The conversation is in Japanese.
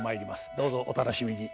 どうぞお楽しみに。